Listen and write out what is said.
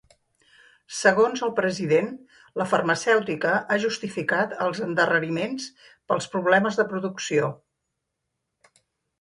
Segons el president, la farmacèutica ha justificat els endarreriments pels problemes de producció.